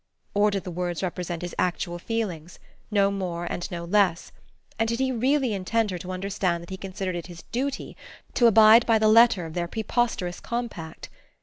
Or did the words represent his actual feelings, no more and no less, and did he really intend her to understand that he considered it his duty to abide by the letter of their preposterous compact?